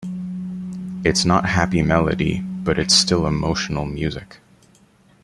It's not happy melody, but it's still emotional music.